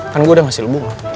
kan gue udah ngasih lo bunga